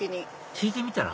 聞いてみたら？